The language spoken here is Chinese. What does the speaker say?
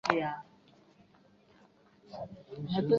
因此可能产生错误的计算及动作。